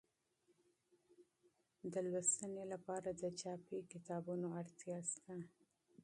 د لوستنې لپاره د چاپي کتابونو اړتیا شته.